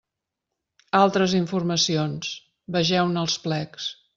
Altres informacions: vegeu-ne els plecs.